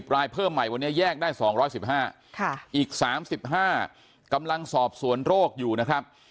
รายเพิ่มใหม่วันนี้แยกได้๒๑๕อีก๓๕กำลังสอบสวนโรคอยู่นะครับ